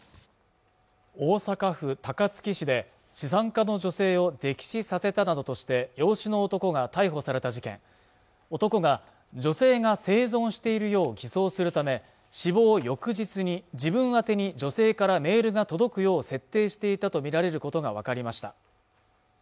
大阪府高槻市で資産家の女性を溺死させたなどとして養子の男が逮捕された事件男が女性が生存しているよう偽装するため死亡翌日に自分宛に女性からメールが届くよう設定していたと見られることが分かりました